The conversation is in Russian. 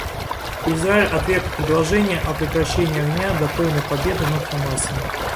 Израиль отверг предложения о прекращении огня до полной победы над Хамасом.